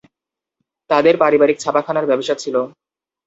তাদের পারিবারিক ছাপাখানার ব্যবসা ছিল।